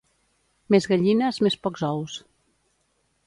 Més gallines, més pocs ous.